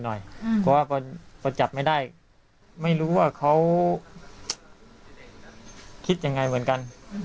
เพราะว่าพอจับไม่ได้ไม่รู้ว่าเขาคิดยังไงเหมือนกัน